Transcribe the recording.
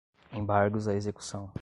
embargos à execução